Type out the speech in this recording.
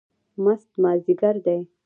مست مازدیګر دی